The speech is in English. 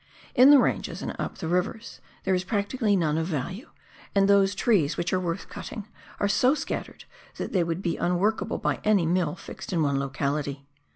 In the ranges, and up the rivers, there is practically none of value, and those trees which are worth cutting are so scattered that they would be unworkable by any mill fixed in one locality.